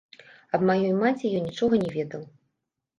Аб маёй маці ён нічога не ведаў.